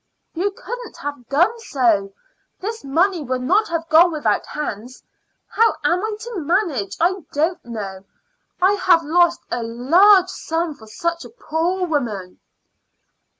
"You couldn't have done so. This money would not have gone without hands. How am I to manage I don't know. I have lost a large sum for such a poor woman."